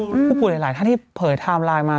แต่ไปดูผู้ผู้หลายท่านที่เผยไทม์ไลน์มา